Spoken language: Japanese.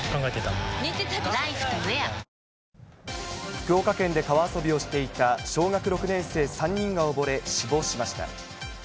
福岡県で川遊びをしていた小学６年生３人が溺れ死亡しました。